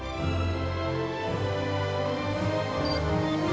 sudah tak ada lesan hingga support